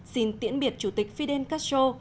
xin tiễn biệt chủ tịch fidel castro